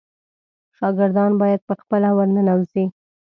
شاګردان باید په خپله ورننوزي.